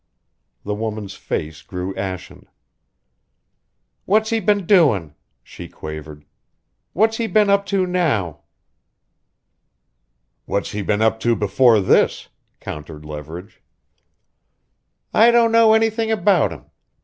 The woman's face grew ashen. "What's he been doin'?" she quavered. "What's he been up to now?" "What's he been up to before this?" countered Leverage. "I don't know anything about him.